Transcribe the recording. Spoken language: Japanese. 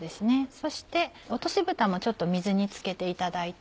そして落としぶたもちょっと水につけていただいて。